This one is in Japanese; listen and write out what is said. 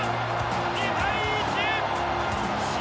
２対１！